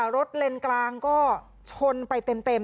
เลนกลางก็ชนไปเต็ม